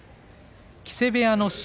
木瀬部屋の芝。